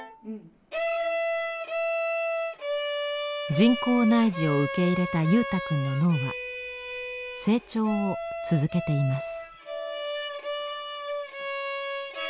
人工内耳を受け入れた祐太君の脳は成長を続けています。